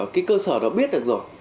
cái cơ sở đó biết được rồi